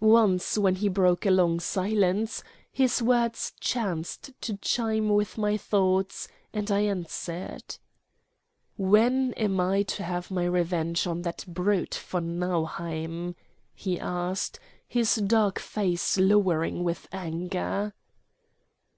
Once when he broke a long silence his words chanced to chime with my thoughts and I answered. "When am I to have my revenge on that brute von Nauheim?" he asked, his dark face lowering with anger.